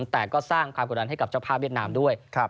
แต่ก็สร้างความกดดันให้กับเจ้าภาพเวียดนามด้วย